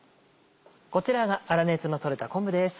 こちらが粗熱の取れた昆布です。